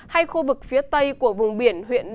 hay khu vực phía tây của vùng biển huyện đà nẵng